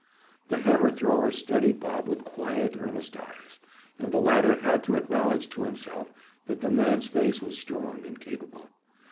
The hammer thrower studied Bob with quiet earnest eyes, and the latter had to acknowledge to himself that the man's face was strong and capable.